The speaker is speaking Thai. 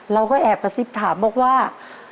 เราก็แอบกระซิบถามบอกว่า